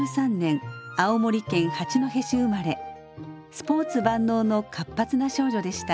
スポーツ万能の活発な少女でした。